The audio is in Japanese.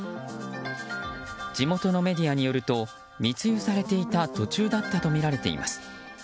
地元のメディアによると密輸されていた途中だったとみられています。